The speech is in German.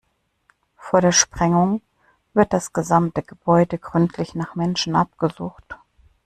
Vor der Sprengung wird das gesamte Gebäude gründlich nach Menschen abgesucht.